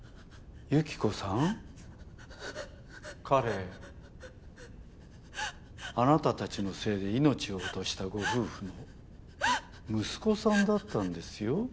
彼あなたたちのせいで命を落としたご夫婦の息子さんだったんですよ？